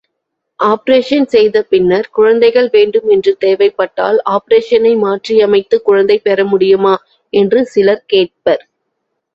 Operation செய்த பின்னர் குழந்தைகள் வேண்டும் என்று தேவைப்பட்டால், ஆப்பரேஷனை மாற்றியமைத்துக் குழந்தைகள் பெறமுடியுமா என்று சிலர் கேட்பர்.